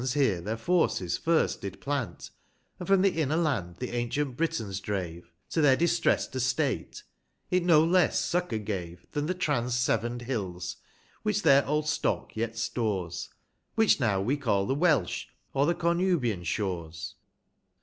i here their forces first did plant, And from the inner land the ancient JJri/mis drave, 315 To their distress'd estate it no less succour gave, Tlian the trans Severn d Hills, which their old stock yet stores, Which now we call the JFelsh, or the Cornuhian Sliores.